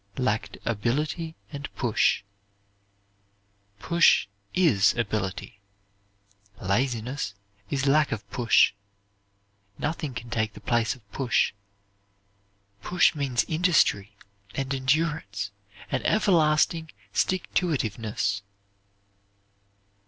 "Lacked ability and push." Push is ability. Laziness is lack of push. Nothing can take the place of push. Push means industry and endurance and everlasting stick to it ive ness.